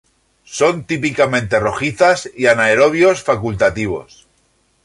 Son típicamente rojizas, y anaerobios facultativos.